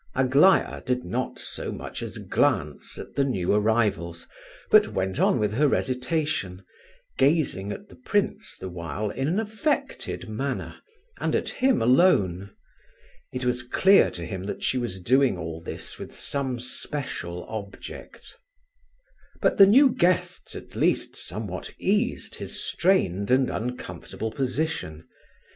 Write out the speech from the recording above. Aglaya did not so much as glance at the new arrivals, but went on with her recitation, gazing at the prince the while in an affected manner, and at him alone. It was clear to him that she was doing all this with some special object. But the new guests at least somewhat eased his strained and uncomfortable position.